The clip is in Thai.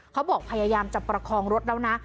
เขาบอกพยายามจะประคองรถแล้วนะ